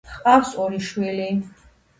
ჰყავს ორი შვილი.